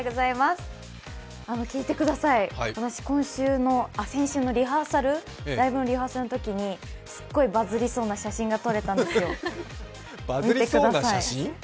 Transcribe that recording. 聞いてください、私、先週のライブのリハーサルのときにすっごいバズりそうな写真が撮れたんですよ、見てください。